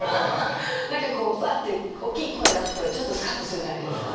何かこうぶわっておっきい声出すとちょっとスカッとするじゃないですか。